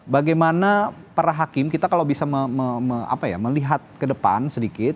bagaimana para hakim kita kalau bisa melihat ke depan sedikit